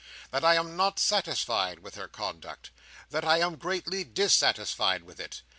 That I am not satisfied with her conduct. That I am greatly dissatisfied with it.